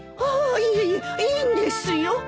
あいえいえいいんですよ。